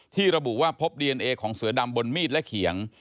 ระบุว่าพบดีเอนเอของเสือดำบนมีดและเขียง